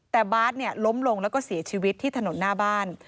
แต่บาทล้มลงแล้วก็เสียชีวิตที่ถนนหน้าบ้าน